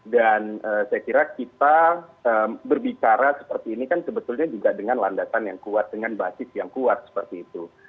dan saya kira kita berbicara seperti ini kan sebetulnya juga dengan landasan yang kuat dengan basis yang kuat seperti itu